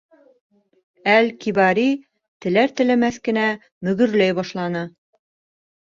Әл-Кибари теләр-теләмәҫ кенә мөгөрләй башланы.